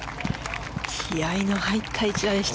気合の入った一打でした。